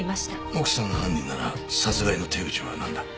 奥さんが犯人なら殺害の手口はなんだ？